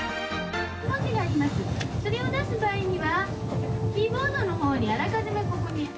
それを出す場合にはキーボードのほうにあらかじめここに。